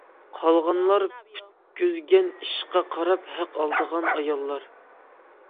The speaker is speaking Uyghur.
قالغانلار پۈتكۈزگەن ئىشىغا قاراپ ھەق ئالىدىغان ئاياللار.